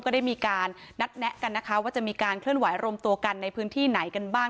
ก็ได้มีการนัดแนะกันนะคะว่าจะมีการเคลื่อนไหวรวมตัวกันในพื้นที่ไหนกันบ้าง